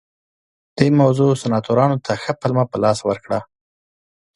دې موضوع سناتورانو ته ښه پلمه په لاس ورکړه